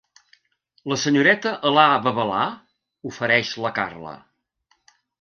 ¿La senyoreta Alà babalà?, ofereix la Carla.